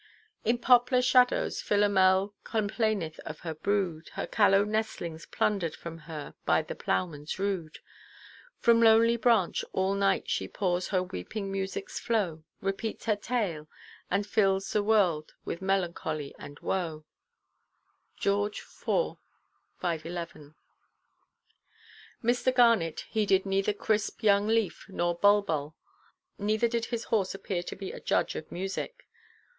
"In poplar shadows Philomel complaineth of her brood, Her callow nestlings plunderʼd from her by the ploughman rude: From lonely branch all night she pours her weeping musicʼs flow, Repeats her tale, and fills the world with melody and woe." Georg. iv. 511. Mr. Garnet heeded neither crisp young leaf nor bulbul; neither did his horse appear to be a judge of music.